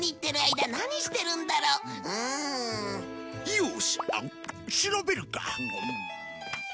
よし調べるか。